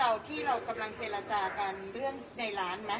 ที่เรากำลังเจรจากันเรื่องในร้านไหม